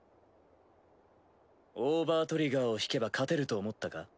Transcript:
オーバートリガーを引けば勝てると思ったか？